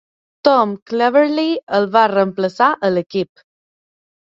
Tom Cleverley el va reemplaçar a l'equip.